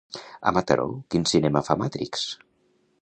A Mataró quin cinema fa "Matrix"?